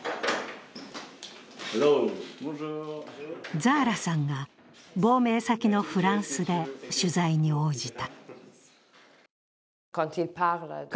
ザーラさんが亡命先のフランスで取材に応じた。